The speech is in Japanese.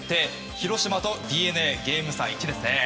広島とＤｅＮＡゲーム差が１ですね。